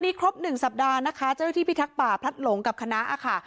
นี่ครบหนึ่งสัปดาห์นะคะจะได้ที่พิทักษ์ป่าพัดหลงกับคณะอะค่ะ